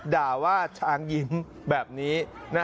ด่าว่าช้างยิ้มแบบนี้